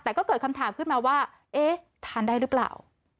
แต่ก็เกิดคำถามขึ้นมาว่าเอ๊ะทานได้หรือเปล่า